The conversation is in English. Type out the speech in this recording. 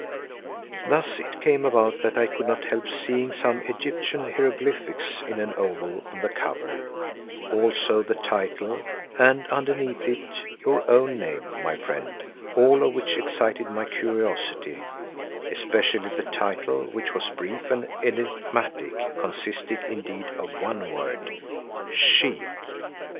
Thus it came about that I could not help seeing some Egyptian hieroglyphics in an oval on the cover, also the title, and underneath it your own name, my friend, all of which excited my curiosity, especially the title, which was brief and enigmatic, consisting indeed of one word, "She."